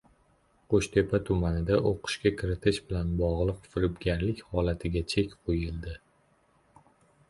Qo‘shtepa tumanida o‘qishga kiritish bilan bog‘liq firibgarlik holatiga chek qo‘yildi